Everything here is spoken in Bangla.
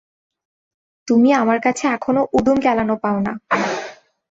তুমি আমার কাছে এখনও উদুম কেলানো পাওনা।